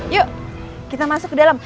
yuk kita masuk ke dalam